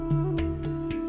supaya beliau lebih khusus